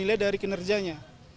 dan menilai dari kinerjanya